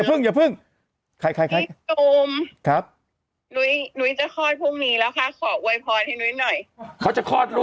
เป็นแอร์ติสต์ทั้งหมดอะ